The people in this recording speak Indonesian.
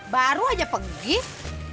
baru aja penggit